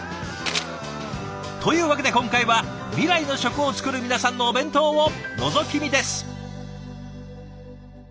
というわけで今回は未来の食を作る皆さんのお弁当をのぞき見です。